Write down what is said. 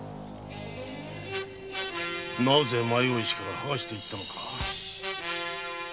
なぜ迷子石から剥がしていったのか？